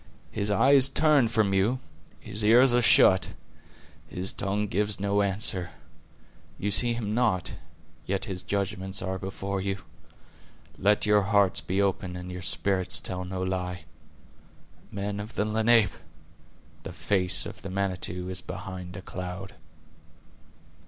His eye is turned from you; His ears are shut; His tongue gives no answer. You see him not; yet His judgments are before you. Let your hearts be open and your spirits tell no lie. Men of the Lenape! the face of the Manitou is behind a cloud."